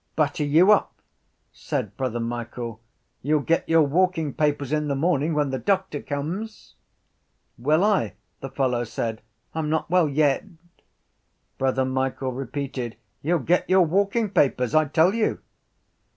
—Butter you up! said Brother Michael. You’ll get your walking papers in the morning when the doctor comes. —Will I? the fellow said. I’m not well yet. Brother Michael repeated: —You’ll get your walking papers. I tell you.